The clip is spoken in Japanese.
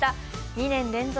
２年連続